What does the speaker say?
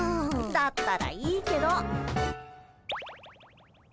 だったらいいけど。